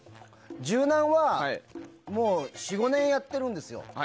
柔軟は４５年やっているんですよ。